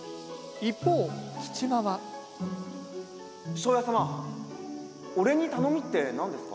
庄屋様俺に頼みって何ですか？